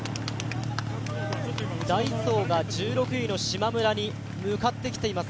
ダイソーが１６位のしまむらに向かってきています。